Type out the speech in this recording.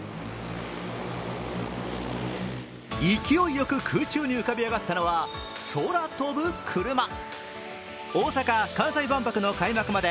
勢いよく空中に浮かび上がったのは空飛ぶクルマ。